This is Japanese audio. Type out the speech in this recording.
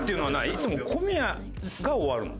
いつも小宮が終わるの？